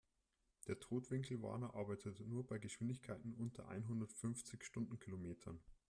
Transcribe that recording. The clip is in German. Der Totwinkelwarner arbeitet nur bei Geschwindigkeiten unter einhundertfünfzig Stundenkilometern.